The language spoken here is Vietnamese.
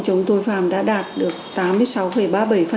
trong cái dịp